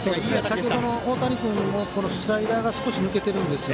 先程の大谷君もスライダーが少し抜けています。